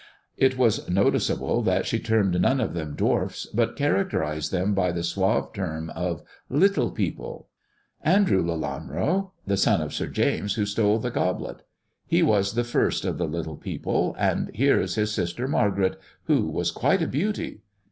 It was noticeable that she termed none of them dwarfs, but characterized them by the suave term of " little people." "Andrew Lelanro, the son of Sir James who stole the goblet. He was the first of the little people, and here is his sister Margaret, who was quite a beauty.